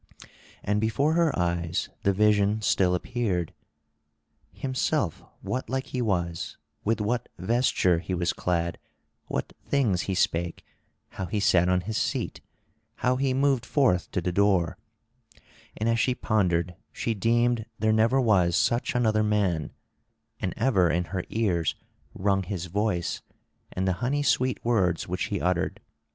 And before her eyes the vision still appeared—himself what like he was, with what vesture he was clad, what things he spake, how he sat on his seat, how he moved forth to the door—and as she pondered she deemed there never was such another man; and ever in her ears rung his voice and the honey sweet words which he uttered.